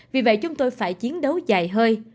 vì vậy chúng tôi phải chiến đấu dài hơi